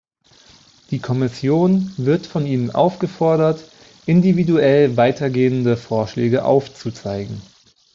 Die Kommission wird von Ihnen aufgefordert, individuell weitergehende Vorschläge aufzuzeigen.